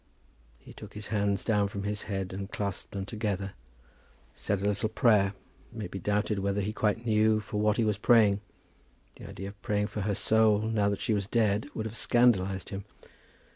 He took his hands down from his head, and clasping them together, said a little prayer. It may be doubted whether he quite knew for what he was praying. The idea of praying for her soul, now that she was dead, would have scandalized him.